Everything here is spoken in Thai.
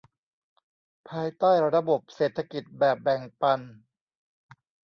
ภายใต้ระบบเศรษฐกิจแบบแบ่งปัน